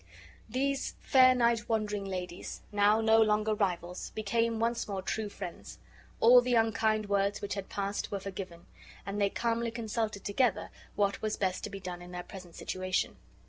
These fair night wandering ladies, now no longer rivals, became once more true friends; all the unkind words which had passed were forgiven, and they calmly consulted together what was best to be done in their present situation.